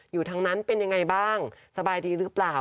อยู่ทางนั้นเป็นยังไงบ้างสบายดีหรือเปล่า